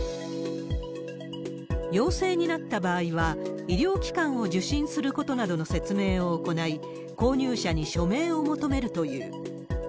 陽性になった場合は、医療機関を受診することなどの説明を行い、購入者に署名を求めるという。